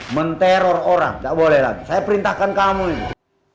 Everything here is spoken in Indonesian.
menteror orang gak boleh lagi saya perintahkan kamu ini